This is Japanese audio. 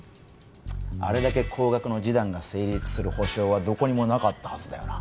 あれだけ高額の示談が成立する保証はどこにもなかったはずだ